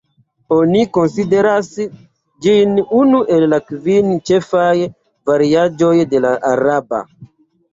Oni konsideras ĝin unu el la kvin ĉefaj variaĵoj de la araba.